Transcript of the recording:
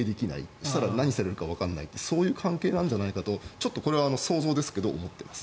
そうしたら、何されるかわからないという関係なんじゃないかとちょっと、これは想像ですが思ってます。